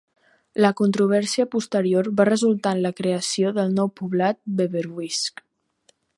La controvèrsia posterior va resultar en la creació del nou poblat Beverwijck.